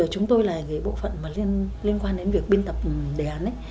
chúng tôi là bộ phận liên quan đến việc biên tập đề án